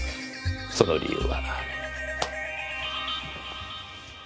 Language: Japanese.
その理由は。